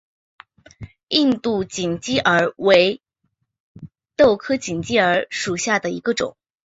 印度锦鸡儿为豆科锦鸡儿属下的一个种。